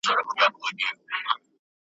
سرې او سپيني ئې ورښکاره کړې